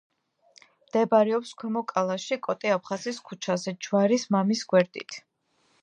მდებარეობს ქვემო კალაში, კოტე აფხაზის ქუჩაზე, ჯვარის მამის გვერდით.